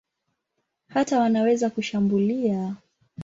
Hata wanaweza kushambulia.